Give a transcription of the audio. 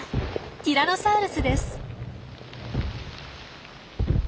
ティラノサウルスです。